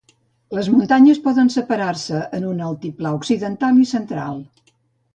Les muntanyes poden separar-se en un altiplà occidental i central.